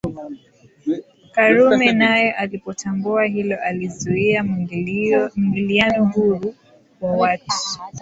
Karume naye alipotambua hilo alizuia mwingiliano huru wa watu